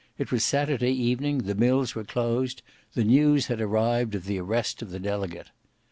It was Saturday evening: the mills were closed; the news had arrived of the arrest of the Delegate.